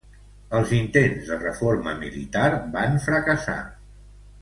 Els intents de reforma militar van fracassar.